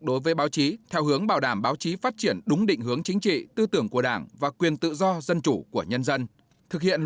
đối với báo chí theo hướng bảo đảm báo chí phát triển đúng định hướng chính trị